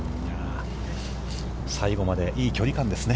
最後まで、いい距離感ですね。